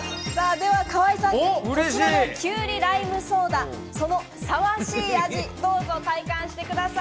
では河井さん、こちらのきゅうりライムソーダ、そのさわしい味、どうぞ体感してください。